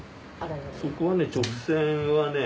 そこはね直線はね